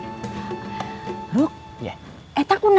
ruk eh takut naon